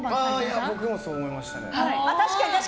僕もそう思いました。